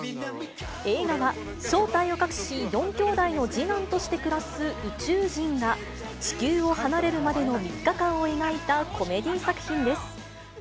映画は、正体を隠し、４きょうだいの次男として暮らす宇宙人が、地球を離れるまでの３日間を描いたコメディー作品です。